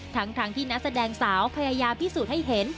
ทั้งที่นักแสดงสาวพยายามพิสูจน์ให้เห็น